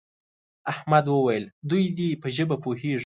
احمد وویل دوی دې په ژبه پوهېږي.